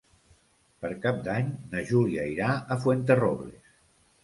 Per Cap d'Any na Júlia irà a Fuenterrobles.